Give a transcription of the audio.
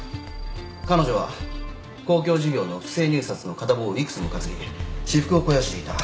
彼女は公共事業の不正入札の片棒を幾つも担ぎ私腹を肥やしていた。